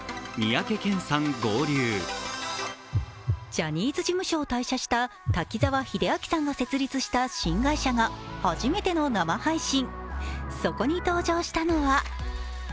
ジャニーズ事務所を退社した滝沢秀明さんが設立した新会社が初めての生配信。